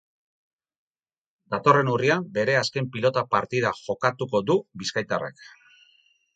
Datorren urrian bere azken pilota partida jokatuko du bizkaitarrak.